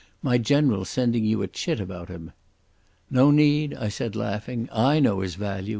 My general's sending you a chit about him." "No need," I said, laughing. "I know his value.